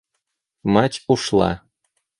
Мать ушла.